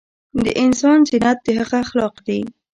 دانسان زينت دهغه اخلاق دي